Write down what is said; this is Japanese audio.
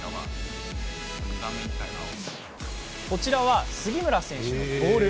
こちらは杉村選手のボール。